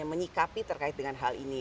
menyikapi terkait dengan hal ini